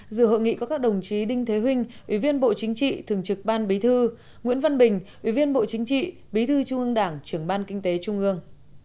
dự hội nghị có các đồng chí đinh thế vinh ủy viên bộ chính trị thường trực ban bí thư nguyễn văn bình ủy viên bộ chính trị bí thư trung ương đảng trưởng ban kinh tế trung ương